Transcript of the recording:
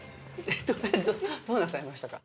どうなさいましたか？